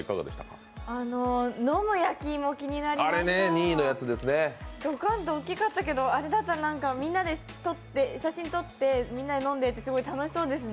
飲む焼き芋、気になりましたドカンって大きかったけどあれだったらみんなで写真撮ってみんなで飲んでって、楽しそうですね。